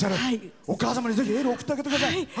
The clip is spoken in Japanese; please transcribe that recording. お母様にぜひエールを送ってあげてください。